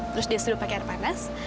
terus dia suruh pakai air panas